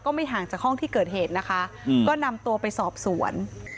ไม่ห่างจากห้องที่เกิดเหตุนะคะก็นำตัวไปสอบสวน